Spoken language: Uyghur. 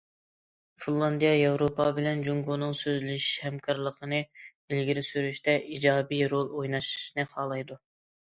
فىنلاندىيە ياۋروپا بىلەن جۇڭگونىڭ سۆزلىشىشى، ھەمكارلىقىنى ئىلگىرى سۈرۈشتە ئىجابىي رول ئويناشنى خالايدۇ.